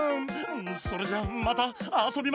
それじゃまたあそびましょ。